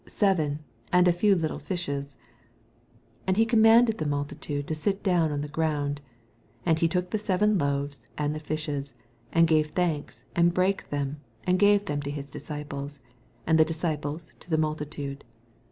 Seven, and a few little fishes. 85 And he commanded the multi tude to sit down on the ground. 86 And he took the seven loaves and the fishes, and gave thanks, and brake them, and gave to his disciples, and the disciples to the multitude.